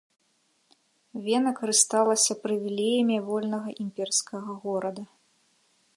Вена карысталася прывілеямі вольнага імперскага горада.